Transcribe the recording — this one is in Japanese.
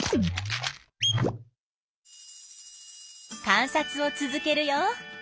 観察を続けるよ。